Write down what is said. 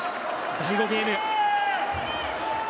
第５ゲーム。